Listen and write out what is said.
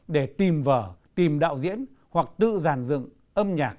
để tìm vở tìm đạo diễn hoặc tự giàn dựng âm nhạc